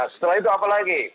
setelah itu apa lagi